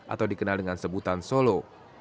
atau dikenal dengan sebutan solo